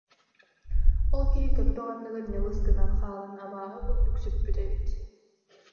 Ол киһи көппөх анныгар ньылыс гынан хаалан абааһы курдук сүппүт эбит